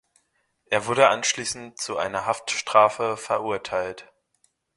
Er wurde anschließend zu einer Haftstrafe verurteilt.